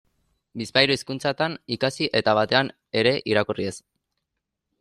Bizpahiru hizkuntzatan ikasi eta batean ere irakurri ez.